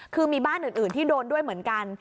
คือมีบ้านอื่นที่โดนด้วยเหมือนกัน